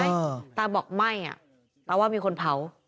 ต่อต้อบอกไม่ต้องว่ามีคนเผา